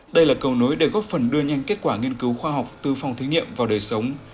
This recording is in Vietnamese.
đây là cầu nối để góp phần đưa nhanh kết quả nghiên cứu khoa học từ phòng thí nghiệm vào đời sống